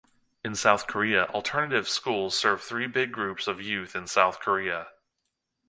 In South Korea, alternative schools serve three big groups of youth in South Korea.